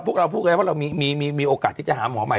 พวกเราพูดเองว่ามีโอกาสเราที่จะหาหมอใหม่